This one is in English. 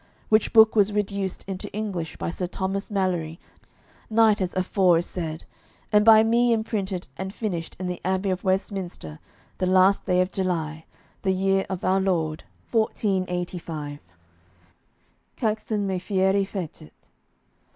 Whiche book was reduced in to englysshe by Syr Thomas Malory knyght as afore is sayd, and by me enprynted and fynyshed in the abbey Westminster the last day of July, the yere of our Lord MCCCCLXXXV._ _Caxton me fieri fecit.